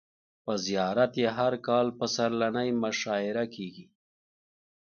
په زیارت یې هر کال پسرلنۍ مشاعر کیږي.